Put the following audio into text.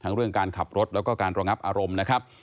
ทั้งเรื่องการขับรถและการรองับอารมณ์นะครับ